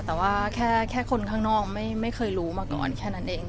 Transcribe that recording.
แต่ว่าแค่คนข้างนอกไม่เคยรู้มาก่อนแค่นั้นเอง